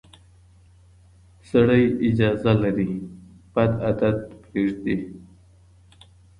سړی اجازه لري بد عادت پرېږدي.